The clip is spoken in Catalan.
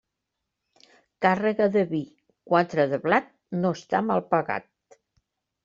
Càrrega de vi, quatre de blat, no està mal pagat.